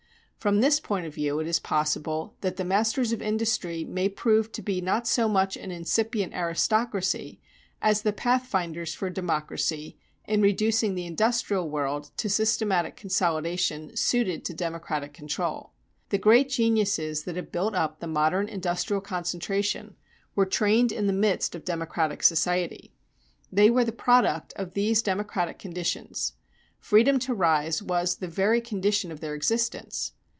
From this point of view it is possible that the masters of industry may prove to be not so much an incipient aristocracy as the pathfinders for democracy in reducing the industrial world to systematic consolidation suited to democratic control. The great geniuses that have built up the modern industrial concentration were trained in the midst of democratic society. They were the product of these democratic conditions. Freedom to rise was the very condition of their existence.